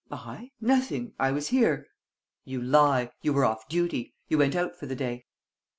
"I? Nothing. I was here." "You lie. You were off duty. You went out for the day."